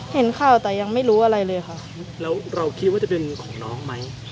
เห็นข่าวแต่ยังไม่รู้อะไรเลยค่ะแล้วเราคิดว่าจะเป็นของน้องไหม